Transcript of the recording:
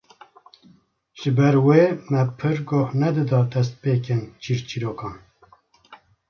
Ji ber wê me pir goh nedida destpêkên çîrçîrokan